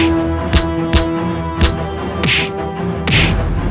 bisanya kau tak bisa menjadi penyelesaikan